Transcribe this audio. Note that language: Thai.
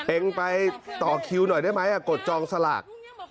เองไปต่อคิวหน่อยได้ไหมกดจองสลาก